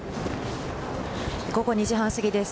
午後２時半過ぎです。